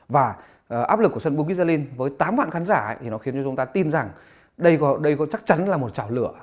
và áp lực của sân bukisalin với tám vạn khán giả thì nó khiến cho chúng ta tin rằng đây có chắc chắn là một trào lửa